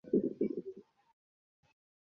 অর্থনৈতিক ইতিহাসবিদ Charles P.